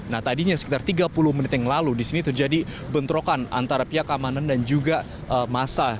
nah tadinya sekitar tiga puluh menit yang lalu di sini terjadi bentrokan antara pihak keamanan dan juga massa